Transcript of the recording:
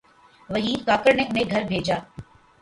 وحید کاکڑ نے انہیں گھر بھیجا۔